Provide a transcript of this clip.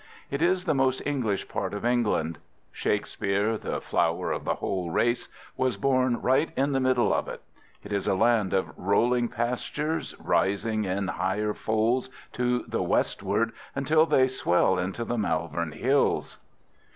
It is the most English part of England. Shakespeare, the flower of the whole race, was born right in the middle of it. It is a land of rolling pastures, rising in higher folds to the westward, until they swell into the Malvern Hills.